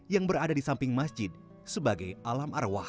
yang berada di samping masjid sebagai alam arwah